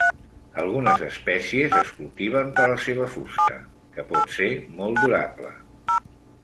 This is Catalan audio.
Algunes espècies es cultiven per la seva fusta, que pot ser molt durable.